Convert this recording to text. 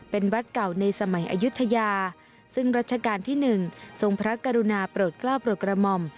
เป็นวัดเก่าในสมัยอายุทยาซึ่งรัชกาลที่๑ทรงพระกรุณาโปรดกล้าวโปรดกระหม่อม